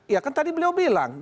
ya kan tadi beliau bilang